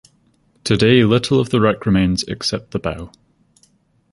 Today little of the wreck remains except the bow.